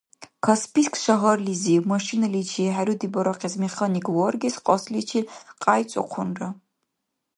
Каспийск шагьарлизив, машиналичи хӏерудибарахъес механик варгес кьасличил къяйцӏухъунра.